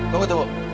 bro tau gak